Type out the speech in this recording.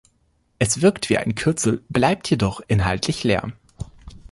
Es wirkt wie ein Kürzel, bleibt jedoch inhaltlich leer.